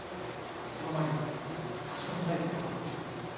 その前に確かめたい事があって。